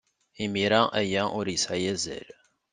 Imir-a, aya ur yesɛi azal.